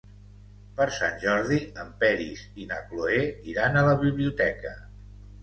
Per Sant Jordi en Peris i na Cloè iran a la biblioteca.